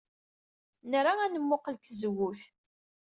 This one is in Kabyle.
Nra ad nemmuqqel seg tzewwut.